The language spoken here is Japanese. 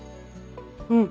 うん。